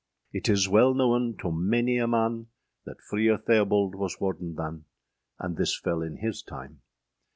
Yt is wel knowen toe manie a man, That Freer Theobald was warden than, And thys fel in hys tyme.